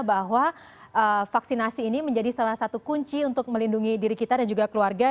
bahwa vaksinasi ini menjadi salah satu kunci untuk melindungi diri kita dan juga keluarga